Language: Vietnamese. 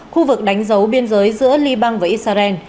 khu vực đánh dấu biên giới giữa liban và israel